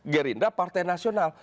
gerindra partai nasional